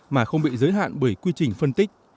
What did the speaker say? mà không bị giới hạn bởi quy trình phân tích